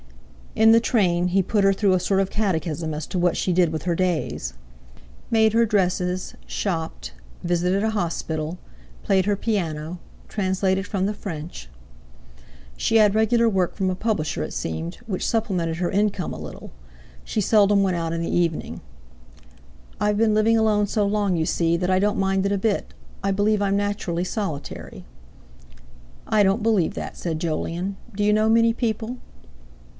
In the train he put her through a sort of catechism as to what she did with her days. Made her dresses, shopped, visited a hospital, played her piano, translated from the French. She had regular work from a publisher, it seemed, which supplemented her income a little. She seldom went out in the evening. "I've been living alone so long, you see, that I don't mind it a bit. I believe I'm naturally solitary." "I don't believe that," said Jolyon. "Do you know many people?"